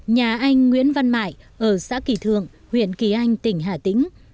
nhà anh nguyễn văn mại ở xã kỳ thượng huyện kỳ anh tỉnh hà tĩnh